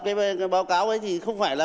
cái báo cáo ấy thì không phải là